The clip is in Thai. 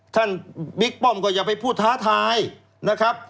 บิ๊กป้อมก็อย่าไปพูดท้าทายนะครับ